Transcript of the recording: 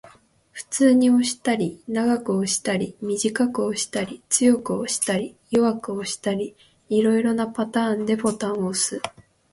普通に押したり、長く押したり、短く押したり、強く押したり、弱く押したり、色々なパターンでボタンを押す